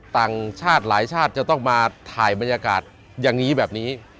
ต่างชาติหลายชาติจะต้องมาถ่ายบรรยากาศอย่างนี้แบบนี้